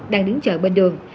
đang đứng chờ bên đường